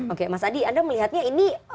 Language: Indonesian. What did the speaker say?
oke mas adi anda melihatnya ini